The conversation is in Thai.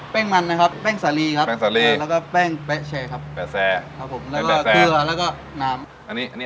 แป้งมันนะครับแป้งสาลีครับแป้งสาลี